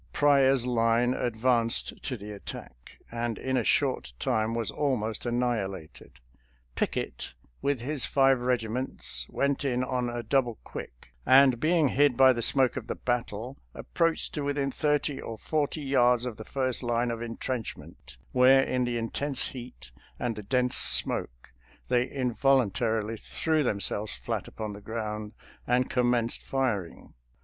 Pryor's line advanced to the attack, and in a short time was almost annihilated. Pickett, with his five regiments, went in on a double quick, and, being hid by the smoke of the battle, approached to within thirty or forty yards of the first line of intrenchment, where in the intense heat and the dense smoke they involuntarily threw them selves fiat upon the ground and commenced fir ing.